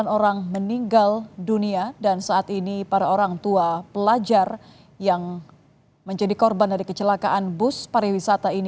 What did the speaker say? sembilan orang meninggal dunia dan saat ini para orang tua pelajar yang menjadi korban dari kecelakaan bus pariwisata ini